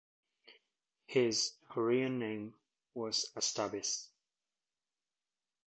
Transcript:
His Hurrian name was Astabis.